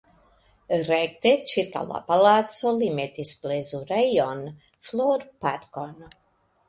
Rekte ĉirkaŭ la palaco li metis plezurejon (florparkon).